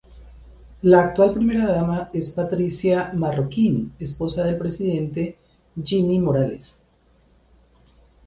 La actual primera dama es Patricia Marroquín, esposa del presidente Jimmy Morales.